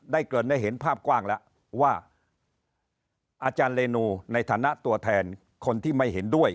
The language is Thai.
เกินได้เห็นภาพกว้างแล้วว่าอาจารย์เรนูในฐานะตัวแทนคนที่ไม่เห็นด้วย